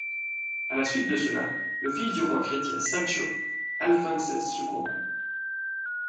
À la suite de cela, le fils du roi chrétien Sancho Alfonsez succomba.